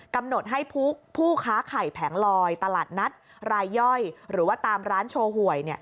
กำหนดให้ผู้ค้าไข่แผงลอยตลาดนัดรายย่อยหรือว่าตามร้านโชว์หวย